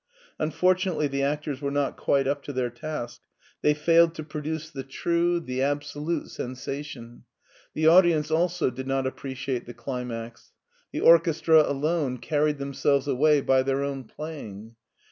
Unfortunately the actors were not quite up to their task. They failed to produce the true, the 312 MARTIN SCHULER absolute sensation. The audience also did not appre ciate the climax. The orchestra alone carried them selves away by their own playing.